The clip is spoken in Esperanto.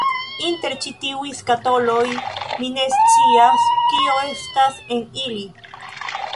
Inter ĉi tiuj skatoloj, mi ne scias kio estas en ili